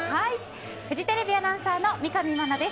フジテレビアナウンサーの三上真奈です。